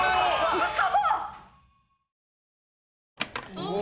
ウソ。